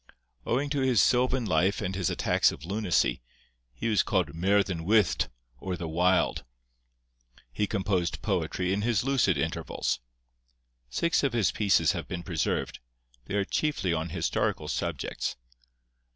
Owing to his sylvan life and his attacks of lunacy, he was called Merddyn Wyllt, or the Wild. He composed poetry in his lucid intervals. Six of his pieces have been preserved: they are chiefly on historical subjects.